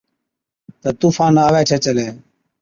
تہ طُوفان آوَي ڇَي چلَي،